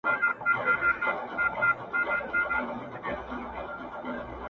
پر اوږو د وارثانو جنازه به دي زنګېږي-